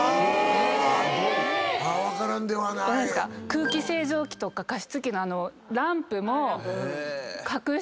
空気清浄機とか加湿器のランプも隠したり。